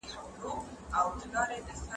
آیا ته د دې وړتیا لرې چې په یوازې ځان جګړه وګټې؟